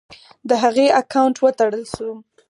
د هغې اکاونټ وتړل شو.